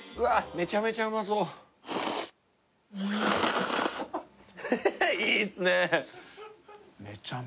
めちゃめちゃうまそういいっすね